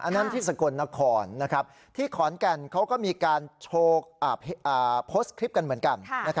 นั่นที่สกลนครที่ขอนแก่นเขาก็มีการโพสต์คลิปกันเหมือนกัน